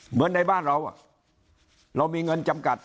เหมือนในบ้านเราเรามีเงินจำกัด